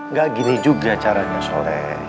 gak gini juga caranya sore